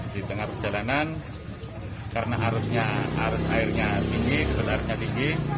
di tengah perjalanan karena arusnya arus airnya tinggi sebetulnya arusnya tinggi